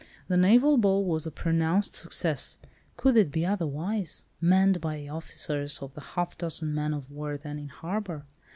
The naval ball was a pronounced success. Could it be otherwise "manned" by the officers of the half dozen men of war then in harbour?